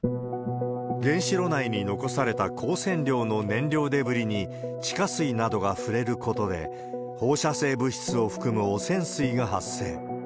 原子炉内に残された高線量の燃料デブリに地下水などが触れることで、放射性物質を含む汚染水が発生。